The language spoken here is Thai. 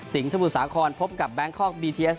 สิงห์สมุทรสาคอนพบกับแบงค์คอกบีทีเอส